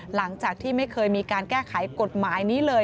หลังจากที่ไม่เคยมีการแก้ไขกฎหมายนี้เลย